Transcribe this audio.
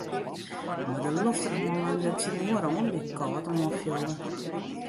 Mei de lofterhân leunde er tsjin de muorre oan, dy't kâld oanfielde.